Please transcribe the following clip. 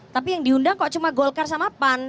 tapi yang diundang kok cuma golkar sama pan